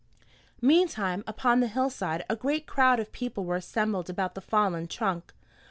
Meantime upon the hillside a great crowd of people were assembled about the fallen trunk.